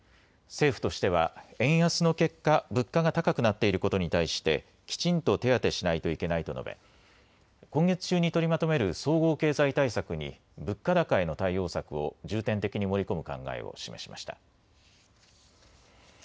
政府としては円安の結果、物価が高くなっていることに対してきちんと手当てしないといけないと述べ今月中に取りまとめる総合経済対策に物価高への対応策を重点的に盛り込む考えを示しました。